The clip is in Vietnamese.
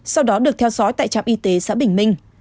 sau đó được theo dõi tại trạm y tế xã bình minh